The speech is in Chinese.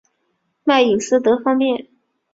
卖隐私得方便